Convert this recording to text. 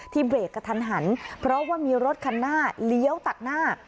เบรกกระทันหันเพราะว่ามีรถคันหน้าเลี้ยวตัดหน้า